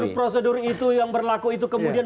prosedur itu yang berlaku itu kemudian